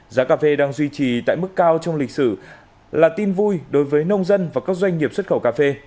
giá cà phê đang duy trì tại mức cao trong lịch sử là tin vui đối với nông dân và các doanh nghiệp xuất khẩu cà phê